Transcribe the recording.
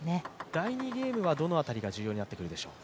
第２ゲームはどの辺りが重要になってくるでしょう？